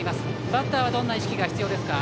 バッターはどんな意識が必要ですか。